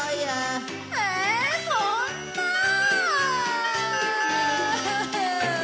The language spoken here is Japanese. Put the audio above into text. ええそんなあ！